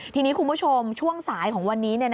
ทีนี้คุณผู้ชมช่วงสายของวันนี้